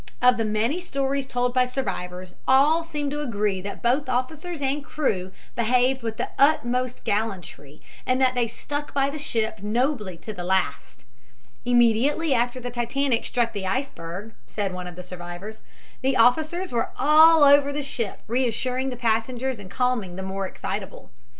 Of the many stories told by survivors all seem to agree that both officers and crew behaved with the utmost gallantry and that they stuck by the ship nobly to the last. "Immediately after the Titanic struck the iceberg," said one of the survivors, "the officers were all over the ship reassuring the passengers and calming the more excitable.